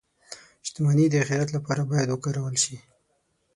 • شتمني د آخرت لپاره باید وکارول شي.